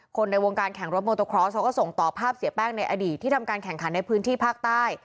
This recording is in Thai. ในวงการแข่งรถโมโตครอสเขาก็ส่งต่อภาพเสียแป้งในอดีตที่ทำการแข่งขันในพื้นที่ภาคใต้